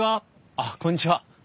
あっこんにちは。